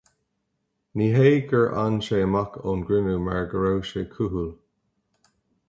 Ní hé gur fhan sé amach ón gcruinniú mar go raibh sé cúthail.